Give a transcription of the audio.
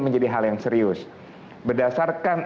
menjadi hal yang serius berdasarkan